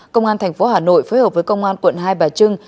công an tp hà nội phối hợp với công an quận hai bà trưng